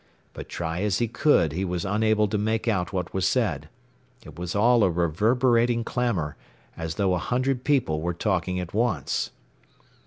But try as he could he was unable to make out what was said. It was all a reverberating clamor, as though a hundred people were talking at once.